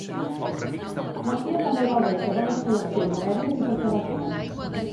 Nokia també gaudeix de bones connexions aèries i per carretera.